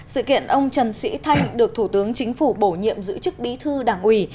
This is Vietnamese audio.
sự kiện ông trần sĩ thanh được thủ tướng chính phủ bổ nhiệm giữ chức bí thư đảng ủy